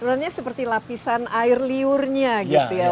sebenarnya seperti lapisan air liurnya gitu ya